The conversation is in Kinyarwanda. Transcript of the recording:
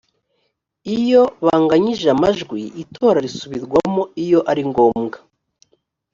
iyo banganyije amajwi itora risubirwamo iyo ari ngombwa